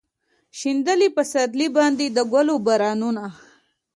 شیندلي پسرلي باندې د ګلو بارانونه